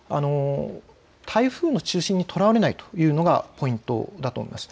台風の中心にとらわれないというのがポイントだと思います。